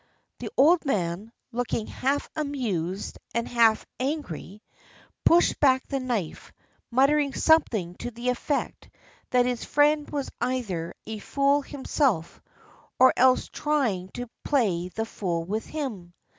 The old man, looking half amused and half angry, pushed back the knife, muttering something to the effect that his friend was either a fool himself, or else trying to play the fool with him.